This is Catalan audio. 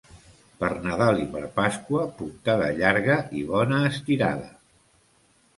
Per Nadal i per Pasqua, puntada llarga i bona estirada.